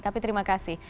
tapi terima kasih